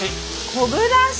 昆布だし？